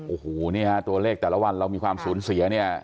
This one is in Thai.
โอ้โหนี่ฮะตัวเลขแต่ละวันเรามีความสูญเสียเนี่ย